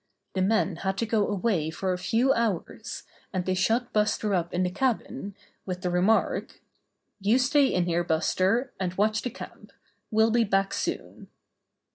The men had to go away for a few hours, and they shut Buster up in the cabin, with the remark: 'Wou stay in here, Buster, and watch the camp. We'll be back soon."